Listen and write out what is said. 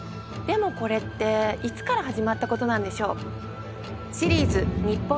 でもこれっていつから始まったことなんでしょう？